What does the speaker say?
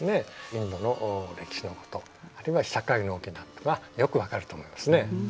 インドの歴史のことあるいは社会の大きなことがよく分かると思いますね。